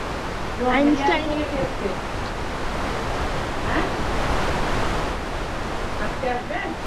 Einstein নিজে প্রথমে এটা বিশ্বাস করেননি, কিন্তু পর্যবেক্ষণের মাধ্যমে এটাই সত্য প্রমাণিত হওয়ার পর মেনে নিতে বাধ্য হন।